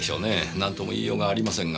なんとも言いようがありませんが。